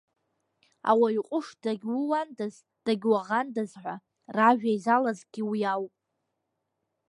Ауаҩ ҟәыш дагьууандаз, дагьуаӷандаз ҳәа, ражәа изалазгьы уи ауп.